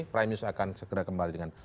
prime news akan segera kembali dengan